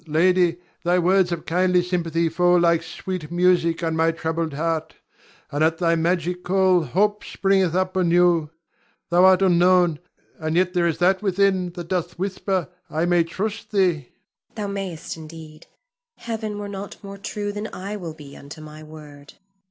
Ion. Lady, thy words of kindly sympathy fall like sweet music on my troubled heart, and at thy magic call hope springeth up anew. Thou art unknown, and yet there is that within that doth whisper I may trust thee. Zuleika. Thou mayst indeed. Heaven were not more true than I will be unto my word.